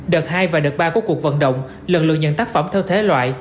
đợt hai và đợt ba của cuộc vận động lần lượt nhận tác phẩm theo thế loại